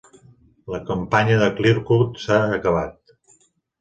La campanya de Kleercut s'ha acabat.